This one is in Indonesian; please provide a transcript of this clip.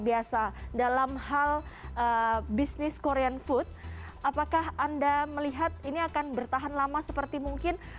biasa dalam hal bisnis korean food apakah anda melihat ini akan bertahan lama seperti mungkin